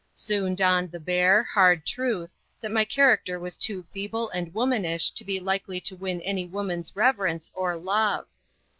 Soon dawned the bare, hard truth, that my character was too feeble and womanish to be likely to win any woman's reverence or love.